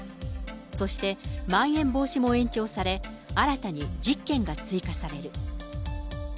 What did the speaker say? そしてまん延防止も延長され、新たに１０県が追加される。